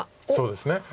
そうですね。